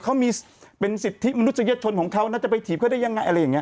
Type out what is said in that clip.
เขามีเป็นสิทธิมนุษยชนของเขานะจะไปถีบเขาได้ยังไงอะไรอย่างนี้